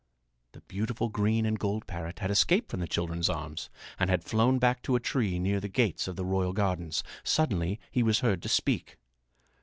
The beautiful green and gold parrot had escaped from the children's arms and had flown back to a tree near the gates of the royal gardens. Suddenly he was heard to speak.